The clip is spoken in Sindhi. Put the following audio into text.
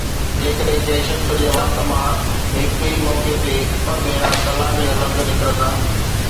جيڪڏهن ڪنهن شخص جي وات مان هڪ ئي موقعي تي ٽي ڀيرا طلاق جا لفظ نڪرندا